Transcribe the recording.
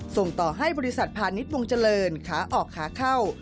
ส่งต่อให้บริษัทพาณิชย์วงเจริญขาออกขาเข้า